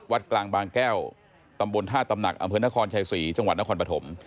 กลางบางแก้วตำบลท่าตำหนักอำเภอนครชัยศรีจังหวัดนครปฐม